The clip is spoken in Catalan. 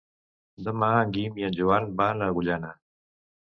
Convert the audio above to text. Demà en Guim i en Joan van a Agullana.